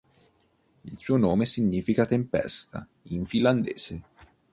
Il suo nome significa "tempesta" in finlandese.